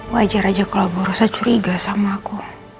wajar aja kalau borosa curiga sama aku